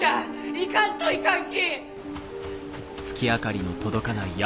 行かんといかんき！